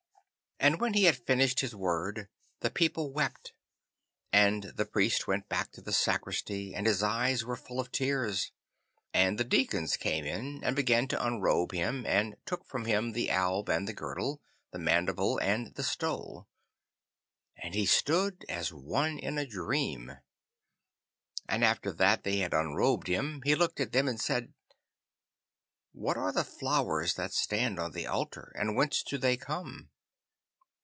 And when he had finished his word the people wept, and the Priest went back to the sacristy, and his eyes were full of tears. And the deacons came in and began to unrobe him, and took from him the alb and the girdle, the maniple and the stole. And he stood as one in a dream. And after that they had unrobed him, he looked at them and said, 'What are the flowers that stand on the altar, and whence do they come?